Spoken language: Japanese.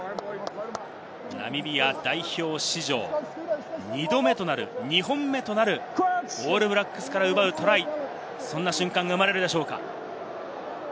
ナミビア代表史上２度目となる、２本目となるオールブラックスから奪うトライ、そんな瞬間が生まれるでしょうか。